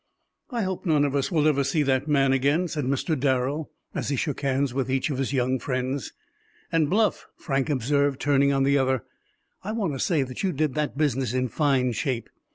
"I hope none of us will ever see that man again," said Mr. Darrel, as he shook hands with each of his young friends. "And, Bluff," Frank observed, turning on the other, "I want to say that you did that business in fine shape.